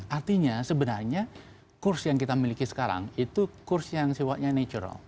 artinya sebenarnya kurs yang kita miliki sekarang itu kurs yang sifatnya natural